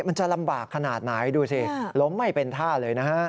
มันจะลำบากขนาดไหนดูสิล้มไม่เป็นท่าเลยนะฮะ